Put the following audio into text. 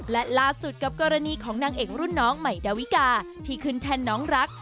และล่าสุดกับกรณีของนางเอกรุ่นน้องใหม่ดาวิกาที่ขึ้นแทนน้องรัก